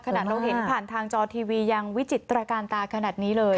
ขนาดเราเห็นผ่านทางจอทีวียังวิจิตรการตาขนาดนี้เลย